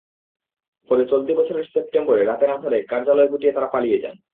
পরে চলতি বছরের সেপ্টেম্বরে রাতের আঁধারে কার্যালয় গুটিয়ে তাঁরা পালিয়ে যান।